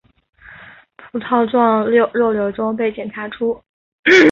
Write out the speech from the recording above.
葡萄状肉瘤中被检查出。